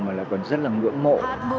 mà còn rất là ngưỡng mộ